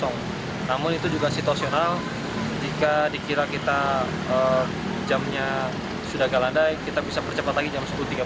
namun itu juga situasional jika dikira kita jamnya sudah agak landai kita bisa percepat lagi jam sepuluh tiga puluh